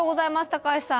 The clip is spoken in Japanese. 高橋さん。